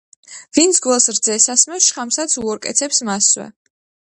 ვინც გველს რძეს ასმევს, შხამსაც უორკეცებს მასვე.